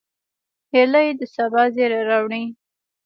هیلۍ د سبا زیری راوړي